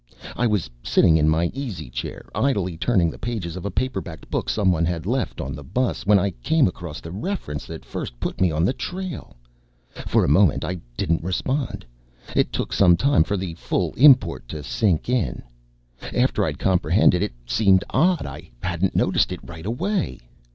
I was sitting in my easy chair, idly turning the pages of a paperbacked book someone had left on the bus, when I came across the reference that first put me on the trail. For a moment I didn't respond. It took some time for the full import to sink in. After I'd comprehended, it seemed odd I hadn't noticed it right away.